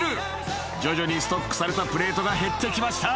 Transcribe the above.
［徐々にストックされたプレートが減ってきました］